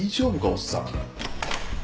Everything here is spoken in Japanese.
おっさん。